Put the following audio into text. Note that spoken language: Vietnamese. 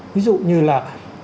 ví dụ như là